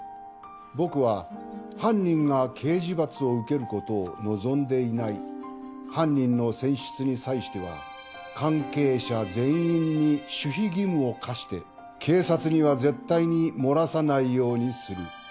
「僕は犯人が刑事罰を受けることを望んでいない」「犯人の選出に際しては関係者全員に守秘義務を課して警察には絶対に漏らさないようにする」